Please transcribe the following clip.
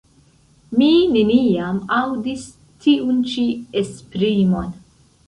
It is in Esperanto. Mi neniam aŭdis tiun ĉi esprimon.